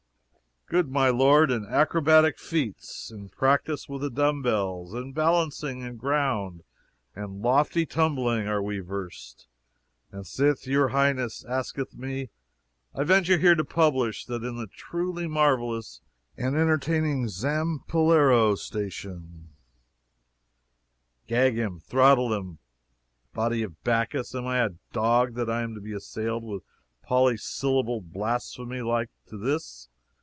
"Good my lord, in acrobatic feats, in practice with the dumb bells, in balancing and ground and lofty tumbling are we versed and sith your highness asketh me, I venture here to publish that in the truly marvelous and entertaining Zampillaerostation " "Gag him! throttle him! Body of Bacchus! am I a dog that I am to be assailed with polysyllabled blasphemy like to this?